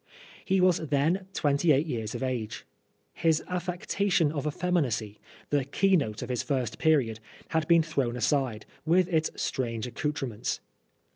He was then twenty eight years of age. His affectation of effeminacy, the keynote of his first period, had been thrown aside, with its strange accoutrements.